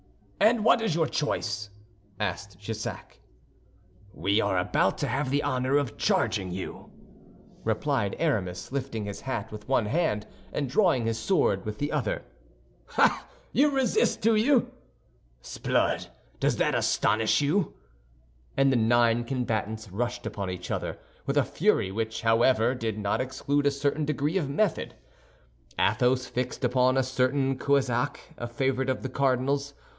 "And what is your choice?" asked Jussac. "We are about to have the honor of charging you," replied Aramis, lifting his hat with one hand and drawing his sword with the other. "Ah! You resist, do you?" cried Jussac. "S'blood; does that astonish you?" And the nine combatants rushed upon each other with a fury which however did not exclude a certain degree of method. Athos fixed upon a certain Cahusac, a favorite of the cardinal's.